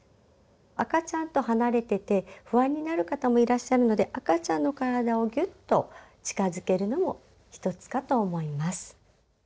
赤ちゃんと離れてて不安になる方もいらっしゃるので赤ちゃんの体をぎゅっと近づけるのも一つかと思います。